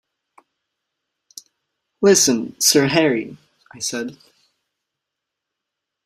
“Listen, Sir Harry,” I said.